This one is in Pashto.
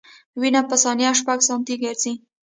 وینه په ثانیه شپږ سانتي ګرځي.